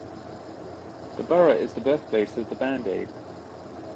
The borough is the birthplace of the Band-Aid.